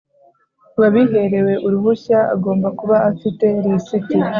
Wabiherewe uruhushya agomba kuba afite lisiti